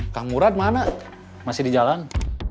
kamu rat mana masih di jalan